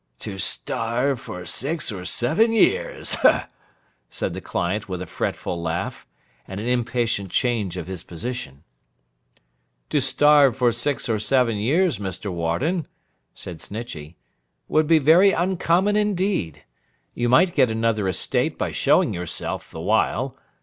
'To starve for six or seven years!' said the client with a fretful laugh, and an impatient change of his position. 'To starve for six or seven years, Mr. Warden,' said Snitchey, 'would be very uncommon indeed. You might get another estate by showing yourself, the while.